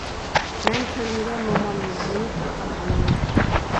مەن كۆرمىگەن مومامنى، مېنى تۇغقان ئانامنى.